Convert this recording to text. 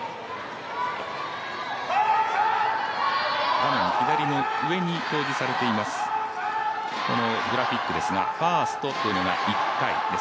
画面左の上に表示されています、このグラフィックですがファーストというのが１回です。